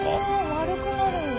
丸くなるんだ。